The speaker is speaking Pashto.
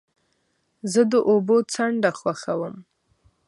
زه د اوبو څنډه خوښوم.